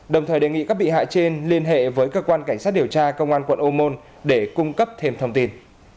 đồng thời đề nghị các bị hại trên liên hệ với cơ quan cảnh sát điều tra công an quận ô môn để cung cấp thêm thông tin